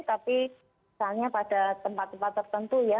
tapi misalnya pada tempat tempat tertentu ya